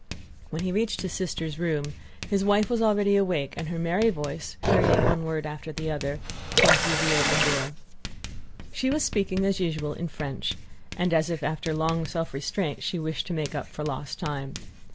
When he reached his sister's room his wife was already awake and her merry voice, hurrying one word after another, came through the open door. She was speaking as usual in French, and as if after long self restraint she wished to make up for lost time.